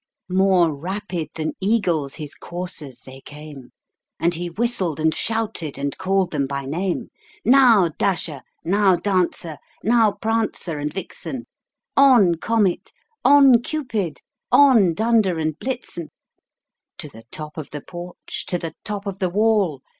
More rapid than eagles his coursers they came, And he whistled, and shouted, and called them by name; "Now, Dasher! now, Dancer! now, Prancer and Vixen! On! Comet, on! Cupid, on! Dunder and Blitzen To the top of the porch, to the top of the wall!